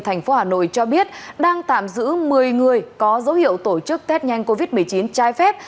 thành phố hà nội cho biết đang tạm giữ một mươi người có dấu hiệu tổ chức tết nhanh covid một mươi chín trái phép